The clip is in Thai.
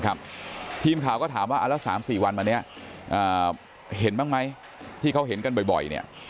นะครับทีมข่าวก็ถามว่าเอาละสามสี่วันมาเนี้ยอ่าเห็นบ้างไหมที่เขาเห็นกันบ่อยบ่อยเนี้ย